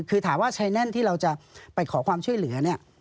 คือถามว่าชายแน่นที่เราจะไปขอความช่วยเหลือเนี่ย